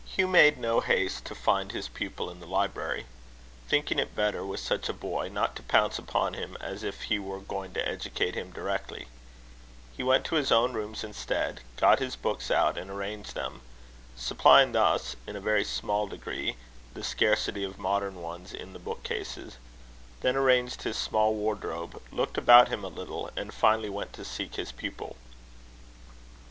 Hugh made no haste to find his pupil in the library; thinking it better, with such a boy, not to pounce upon him as if he were going to educate him directly. He went to his own rooms instead; got his books out and arranged them, supplying thus, in a very small degree, the scarcity of modern ones in the book cases; then arranged his small wardrobe, looked about him a little, and finally went to seek his pupil.